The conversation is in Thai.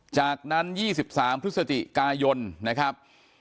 จากนั้น๒๓พฤศจิกายนนะครับ